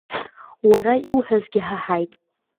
Уара иуҳәазгьы ҳаҳаит!